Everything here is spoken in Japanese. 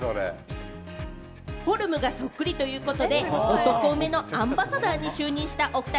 フォルムがそっくりということで、男梅のアンバサダーに就任したお二人。